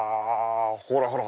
ほらほら！